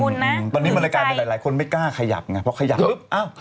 ทำคุณนะตอนนี้มันกลายเป็นหลายคนไม่กล้าขยับไงเพราะขยับอ้าว